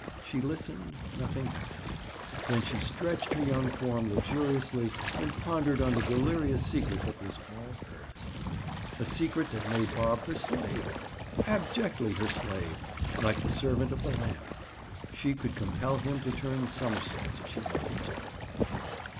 She listened, nothing happened. Then she stretched her young form luxuriously and pondered on the delirious secret that was all hers. A secret that made Bob her slave! Abjectly her slave! Like the servant of the lamp! She could compel him to turn somersaults if she wanted to.